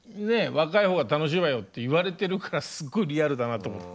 「若い方が楽しいわよ」って言われてるからすごいリアルだなと思って。